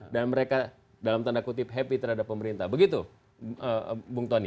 dan mereka dalam tanda kutip happy terhadap pemerintah begitu bung tony